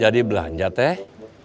jadi belanja teh